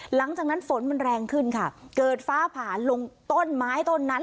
หลังจากนั้นฝนมันแรงขึ้นค่ะเกิดฟ้าผ่าลงต้นไม้ต้นนั้น